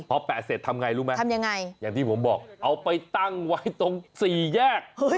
เพราะแปะเสร็จทำอย่างไรรู้ไหมอย่างที่ผมบอกเอาไปตั้งไว้ตรงสี่แยก